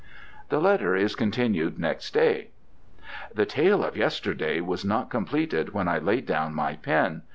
The letter is continued next day. "The tale of yesterday was not completed when I laid down my pen.